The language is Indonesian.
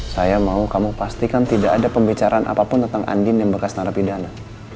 saya mau kamu pastikan tidak ada pembicaraan apapun tentang andin yang bekas narapidana